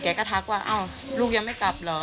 ก็ทักว่าอ้าวลูกยังไม่กลับเหรอ